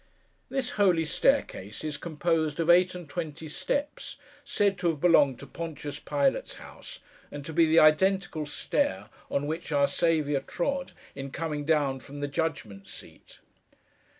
This holy staircase is composed of eight and twenty steps, said to have belonged to Pontius Pilate's house and to be the identical stair on which Our Saviour trod, in coming down from the judgment seat.